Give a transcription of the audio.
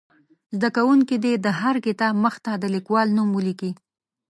زده کوونکي دې د هر کتاب مخ ته د لیکوال نوم ولیکي.